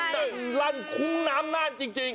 สนั่นลั่นคุ้งน้ำนานจริง